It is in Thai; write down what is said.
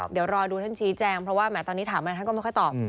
เดี๋ยวรอดูท่านชี้แจงเพราะว่าแหมตอนนี้ถามอะไรท่านก็ไม่ค่อยตอบ